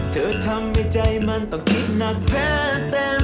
เธอทำให้ใจมันต้องคิดหนักแพ้เต็ม